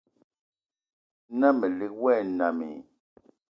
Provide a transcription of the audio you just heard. Na melig wa e nnam i?